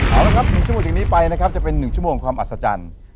เอาละครับ๑ชั่วโมงถึงนี้ไปนะครับจะเป็น๑ชั่วโมงความอัศจรรย์